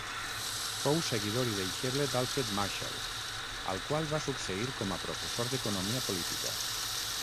Fou seguidor i deixeble d'Alfred Marshall al qual va succeir com a professor d'economia política.